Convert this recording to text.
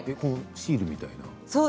シールみたいな？